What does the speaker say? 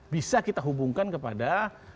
bisa kita hubungkan kepada